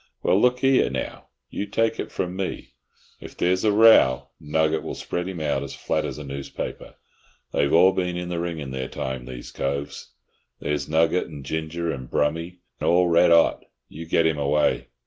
"Well, look 'ere, now, you take it from me, if there's a row Nugget will spread him out as flat as a newspaper. They've all been in the ring in their time, these coves. There's Nugget, and Ginger, and Brummy—all red 'ot. You get him away!"